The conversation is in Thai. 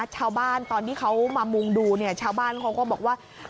ตอนที่เขามามุงดูเนี่ยชาวบ้านเขาก็บอกว่า